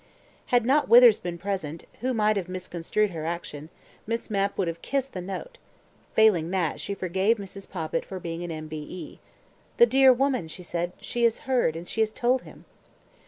Had not Withers been present, who might have misconstrued her action, Miss Mapp would have kissed the note; failing that, she forgave Mrs. Poppit for being an M.B.E. "The dear woman!" she said. "She has heard, and has told him."